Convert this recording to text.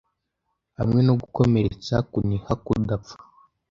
Hamwe no gukomeretsa kuniha kudapfa